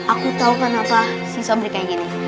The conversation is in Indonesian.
aku tahu kenapa si sobri kayak gini